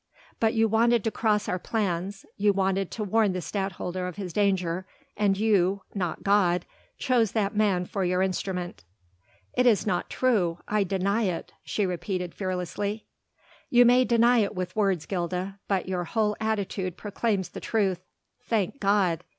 But you wanted to cross our plans, you wanted to warn the Stadtholder of his danger, and you not God chose that man for your instrument." "It is not true I deny it," she repeated fearlessly. "You may deny it with words, Gilda, but your whole attitude proclaims the truth. Thank God!"